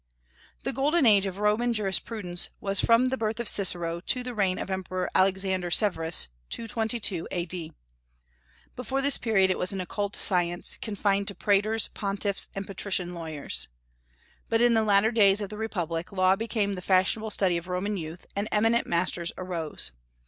The golden age of Roman jurisprudence was from the birth of Cicero to the reign of the Emperor Alexander Severus, 222 A.D.; before this period it was an occult science, confined to praetors, pontiffs, and patrician lawyers. But in the latter days of the republic law became the fashionable study of Roman youth, and eminent masters arose.